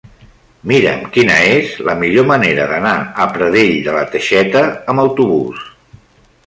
Mira'm quina és la millor manera d'anar a Pradell de la Teixeta amb autobús.